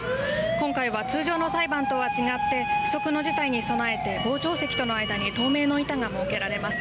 今回は通常の裁判とは違って不測の事態に備えて傍聴席との間に透明の板が設けられます。